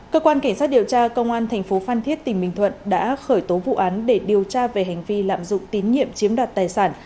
cơ quan cảnh sát điều tra công an thành phố phan thiết tỉnh bình thuận đã khởi tố vụ án để điều tra về hành vi lạm dụng tín nhiệm chiếm đoạt tài sản